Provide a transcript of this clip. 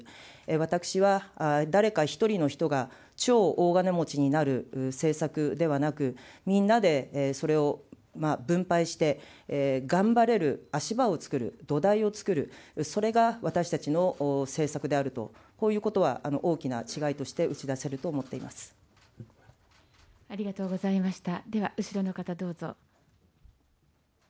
私は誰か一人の人が超大金持ちになる政策ではなく、みんなでそれを分配して、頑張れる足場をつくる、土台をつくる、それが私たちの政策であると、こういうことは大きな違いとして打ありがとうございました。